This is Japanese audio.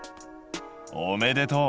おめでとう！